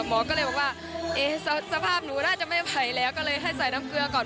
หมอก็เลยบอกว่าสภาพหนูน่าจะไม่ไผ่แล้วก็เลยให้ใส่น้ำเกลือก่อน